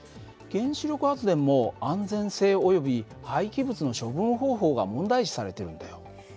原子力発電も安全性および廃棄物の処分方法が問題視されてるんだよ。